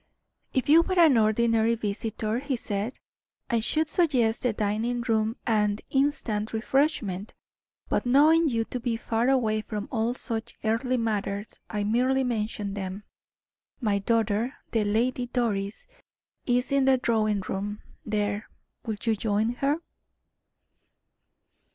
"If you were an ordinary visitor," he said, "I should suggest the dining room and instant refreshment; but knowing you to be far away from all such earthly matters, I merely mention them. My daughter, the Lady Doris, is in the drawing room there will you join her?"